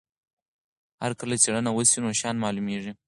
هر کله چې څېړنه وسي نوي شیان معلومیږي.